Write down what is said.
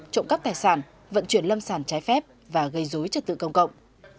trộm cắp tài sản vận chuyển lâm sản trái phép và gây dối trật tự công cộng